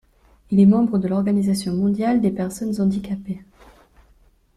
Il est membre de l'organisation mondiale des personnes handicapées.